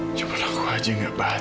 situa berusaha diantaranya